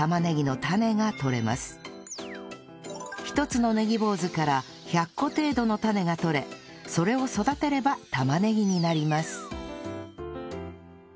１つのねぎぼうずから１００個程度のタネが取れそれを育てれば玉ねぎになります